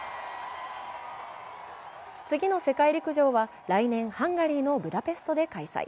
次の世界陸上は来年、ハンガリーのブダペストで開催。